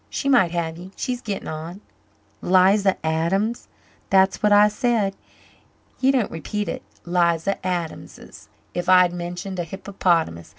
She might have ye she's gittin' on." "'Liza ... Adams!" "That's what I said. Ye needn't repeat it 'Liza ... Adams 's if I'd mentioned a hippopotamus.